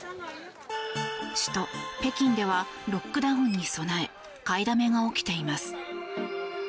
首都・北京ではロックダウンに備え買いだめが起きています。